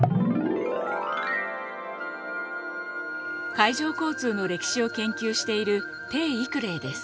海上交通の歴史を研究している丁毓玲です。